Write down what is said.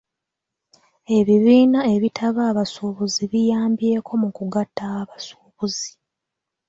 Ebibiina ebitaba abasuubuzi biyambyeko mu kugatta abasuubuzi.